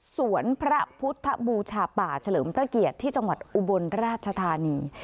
สวนพระพุทธบูชาป่าเฉลิมพระเกียรติที่จังหวัดอุบลราชธานี